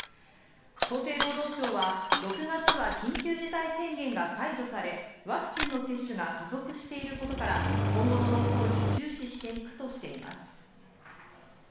厚生労働省は６月は緊急事態宣言が解除され、ワクチンの接種が加速していることから今後の動向に注視していくとしています。